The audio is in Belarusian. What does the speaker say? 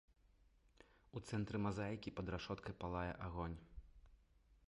У цэнтры мазаікі пад рашоткай палае агонь.